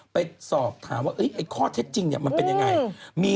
ไปสอบถามว่าไอ้ข้อเท็จจริงมันเป็นยังไง